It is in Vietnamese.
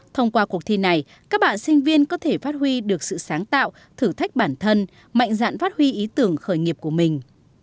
thông qua cuộc thi này các bạn sinh viên có thể phát huy được sự sáng tạo thử thách bản thân mạnh dạn phát huy ý tưởng khởi nghiệp của mình